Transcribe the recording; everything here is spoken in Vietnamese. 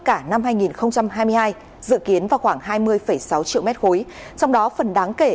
cả năm hai nghìn hai mươi hai dự kiến vào khoảng hai mươi sáu triệu mét khối trong đó phần đáng kể